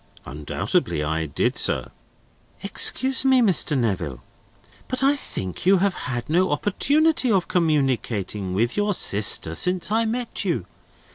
"Undoubtedly I did, sir." "Excuse me, Mr. Neville, but I think you have had no opportunity of communicating with your sister, since I met you.